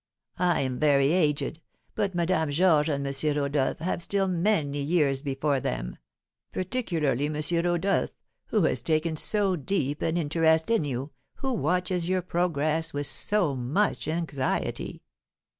I am very aged, but Madame Georges and M. Rodolph have still many years before them; particularly M. Rodolph, who has taken so deep an interest in you, who watches your progress with so much anxiety."